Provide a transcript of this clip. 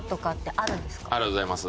ありがとうございます。